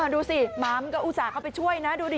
ดูสิหมามันก็อุตส่าห์เข้าไปช่วยนะดูดิ